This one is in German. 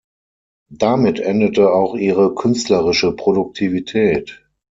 Damit endete auch ihre künstlerische Produktivität.